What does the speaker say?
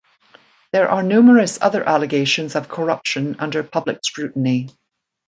There are numerous other allegations of corruption under public scrutiny.